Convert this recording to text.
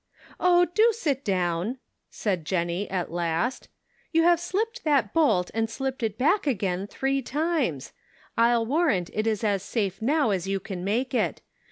" Oh, do sit down," said Jennie, at last. " You have slipped that bolt and slipped it back again three times. I'll warrant it is as safe now as you can make it.